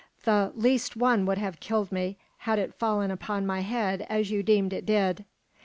The least one would have killed me, had it fallen on my head as you deemed it did.